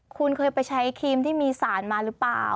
คุณเคยไปใช้ครีมที่มีสารมาหรือเปล่า